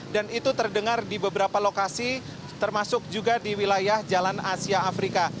itu terdengar di beberapa lokasi termasuk juga di wilayah jalan asia afrika